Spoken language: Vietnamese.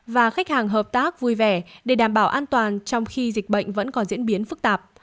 và khách hàng hợp tác vui vẻ để đảm bảo an toàn trong khi dịch bệnh vẫn còn diễn biến phức tạp